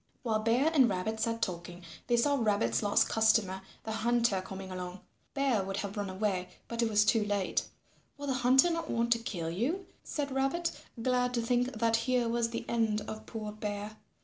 While Bear and Rabbit sat talking, they saw Rabbit's last customer, the Hunter, coming along. Bear would have run away, but it was too late. "Will the Hunter not want to kill you?" said Rabbit, glad to think that here was the end of poor Bear.